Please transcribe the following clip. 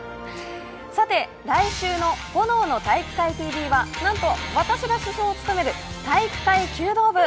さて来週の「炎の体育会ＴＶ」はなんと私が主将を務める体育会弓道部。